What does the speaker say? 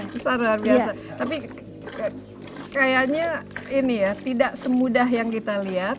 besar luar biasa tapi kayaknya ini ya tidak semudah yang kita lihat